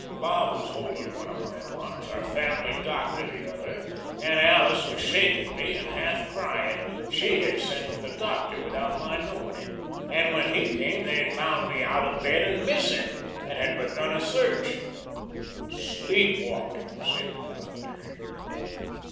Bob was holding one of my arms, our family doctor the other, and Alice was shaking me and half crying. She had sent for the doctor without my knowing it, and when he came they had found me out of bed and missing, and had begun a search. "'Sleep walking,' said the doctor.